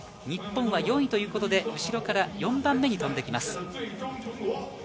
日本は４位ということで後ろから４番目に飛んできます。